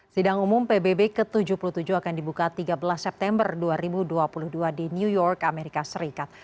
sidang umum pbb ke tujuh puluh tujuh akan dibuka tiga belas september dua ribu dua puluh dua di new york amerika serikat